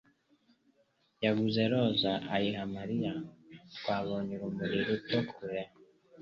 yaguze roza ayiha Mariya. Twabonye urumuri ruto kure.